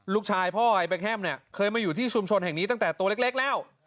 ลูกชายพ่อไอ้แฮมเนี่ยเคยมาอยู่ที่ชุมชนแห่งนี้ตั้งแต่ตัวเล็กแล้ว